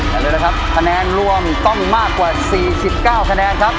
เอาเลยนะครับคะแนนรวมต้องมากกว่า๔๙คะแนนครับ